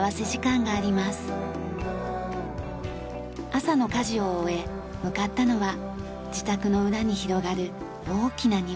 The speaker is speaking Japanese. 朝の家事を終え向かったのは自宅の裏に広がる大きな庭。